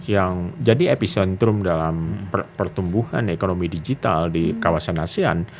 yang jadi epicentrum dalam pertumbuhan ekonomi digital di kawasan asean